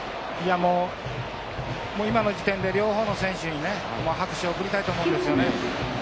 いやもう今の時点で両方の選手にね拍手を送りたいと思うんですよね。